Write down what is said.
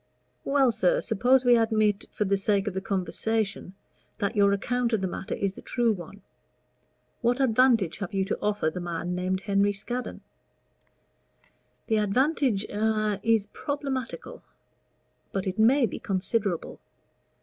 "Well, sir, suppose we admit, for the sake of the conversation, that your account of the matter is the true one: what advantage have you to offer the man named Henry Scaddon?" "The advantage a is problematical; but it may be considerable.